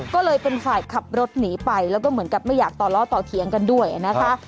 ก็เลยเป็นฝ่ายขับรถหนีไปแล้วก็เหมือนกับไม่อยากต่อล้อต่อเถียงกันด้วยนะคะ